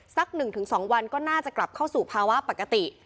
สัก๑๒วันก็น่าจะกลับเข้าสู่ภาวะปกติ